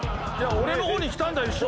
俺の方にきたんだよ、一瞬。